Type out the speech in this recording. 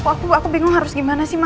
aku aku bingung harus gimana sih ma